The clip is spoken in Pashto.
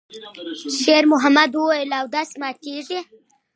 شېرمحمد وویل: «اودس ماتی ته تېرېږم.»